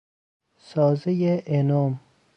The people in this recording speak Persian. سازهی n ام